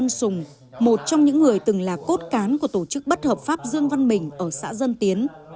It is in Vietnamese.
ông sùng một trong những người từng là cốt cán của tổ chức bất hợp pháp dương văn mình ở xã dân tiến